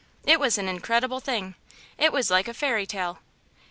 It was an incredible thing! It was like a fairy tale!